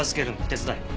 手伝え。